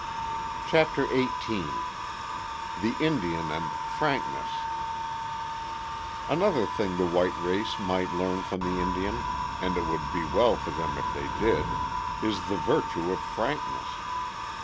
CHAPTER XVIII THE INDIAN AND FRANKNESS Another thing the white race might learn from the Indian, and it would be well for them if they did, is the virtue of frankness.